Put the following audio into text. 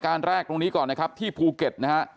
แรกตรงนี้ก่อนนะครับที่ภูเก็ตนะฮะ